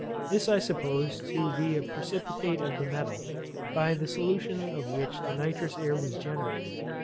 This I suppose to be a precipitate of the metal, by the solution of which the nitrous air was generated.